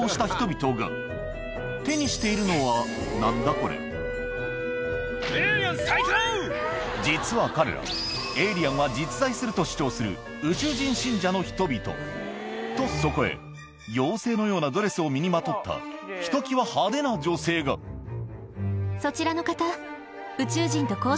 これ実は彼らはと主張するとそこへ妖精のようなドレスを身にまとったひときわ派手な女性がそちらの方。